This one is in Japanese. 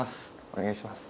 お願いします